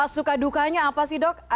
suka dukanya apa sih dok